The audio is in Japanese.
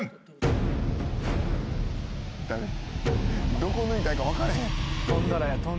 どこ抜いたらいいか分かれへん。